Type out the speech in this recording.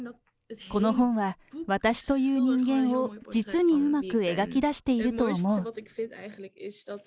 この本は私という人間を実にうまく描き出していると思う。